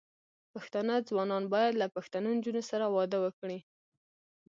پښتانه ځوانان بايد له پښتنو نجونو سره واده وکړي.